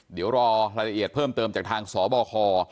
เดี๋ยวรอรายละเอียดเพิ่มเติมจากทางสบค